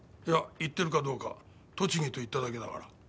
いや行ってるかどうか栃木と言っただけだから。